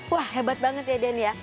wah hebat banget ya denny ya